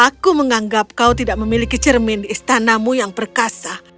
aku menganggap kau tidak memiliki cermin di istanamu yang perkasa